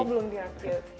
oh belum dirakit